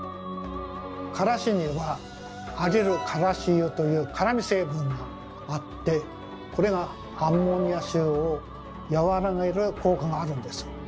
からしにはアリルカラシ油という辛み成分があってこれがアンモニア臭を和らげる効果があるんです。